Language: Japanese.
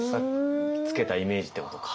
つけたイメージってことか。